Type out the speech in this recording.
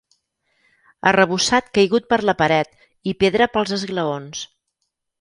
Arrebossat caigut per la paret i pedra pels esglaons.